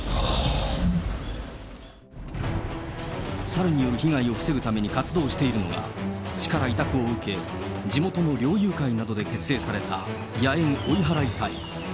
サルによる被害を防ぐために活動しているのが、市から委託を受け、地元の猟友会などで結成された野猿追い払い隊。